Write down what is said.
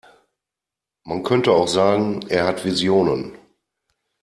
Man könnte auch sagen, er hat Visionen.